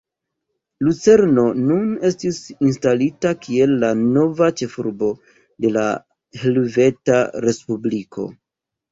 Lucerno nun estis instalita kiel la nova ĉefurbo de la Helveta Respubliko.